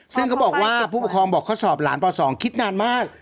ซึ่งเขาบอกว่าผู้ปกครองบอกเขาสอบหลานป๒คิดนานมาก